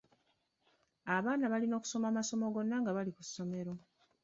Abaana balina okusoma amasomo gonna nga bali ku ssomero.